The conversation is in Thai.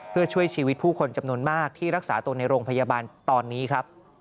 เพื่อช่วยชีวิตผู้คนจำนวนมากที่รักษาตัวในโรงพยาบาลตอนนี้ครับ